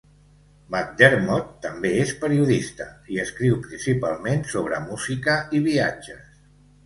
McDermott també és periodista i escriu principalment sobre música i viatges.